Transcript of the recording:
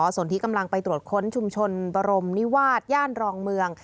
ส่วนที่กำลังไปตรวจค้นชุมชนบรมนิวาสย่านรองเมือง